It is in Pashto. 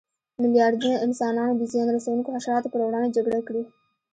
میلیاردونه انسانانو د زیان رسونکو حشراتو پر وړاندې جګړه کړې.